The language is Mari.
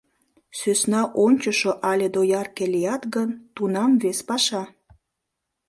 Сӧсна ончышо але доярке лият гын, тунам — вес паша!